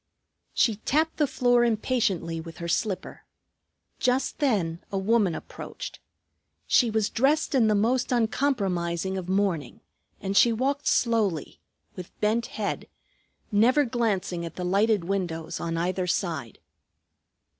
She tapped the floor impatiently with her slipper. Just then a woman approached. She was dressed in the most uncompromising of mourning, and she walked slowly, with bent head, never glancing at the lighted windows on either side.